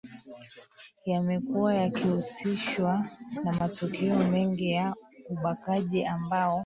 yamekuwa yakihusishwa na matukio mengi ya ubakaji ambao